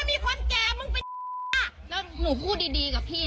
แล้วหนูพูดดีกับพี่นะ